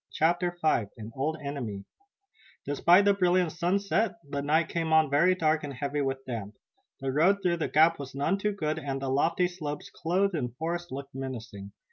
CHAPTER V AN OLD ENEMY Despite the brilliant sunset the night came on very dark and heavy with damp. The road through the gap was none too good and the lofty slopes clothed in forest looked menacing.